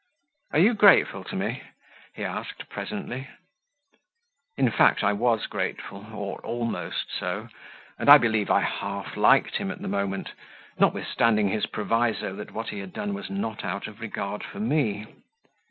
"Are you grateful to me?" he asked, presently. In fact I was grateful, or almost so, and I believe I half liked him at the moment, notwithstanding his proviso that what he had done was not out of regard for me.